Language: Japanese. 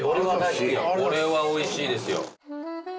これはおいしいですよ。